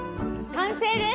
完成です！